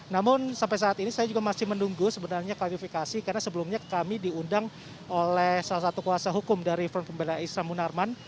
namun sampai saat ini saya juga masih menunggu sebenarnya klarifikasi karena sebelumnya kami diundang oleh salah satu kuasa hukum dari front pembela islam munarman